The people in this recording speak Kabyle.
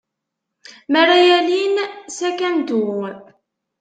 Mi ara alin s akantu.